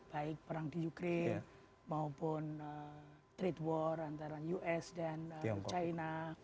baik perang di ukraine maupun trade war antara us dan china